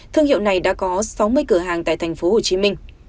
thương hiệu này đã có sáu mươi cửa hàng tại thành phố hồ chí minh